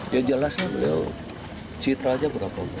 ya jelas lah beliau citra aja berapa